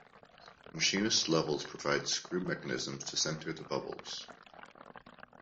Machinist's levels provide screw mechanisms to center the bubbles.